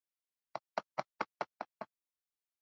angeweza pia kuwa na asili ya Tanzania